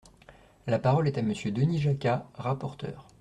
La parole est à Monsieur Denis Jacquat, rapporteur.